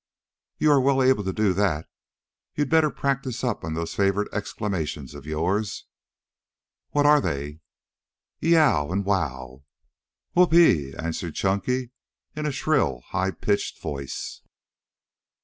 "You are well able to do that. You'd better practise up on those favorite exclamations of yours " "What are they?" "Y e o w and W o w!" "Who o o p e e!" answered Chunky in a shrill, high pitched voice.